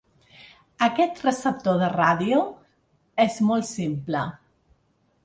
Aquest receptor de ràdio és molt simple.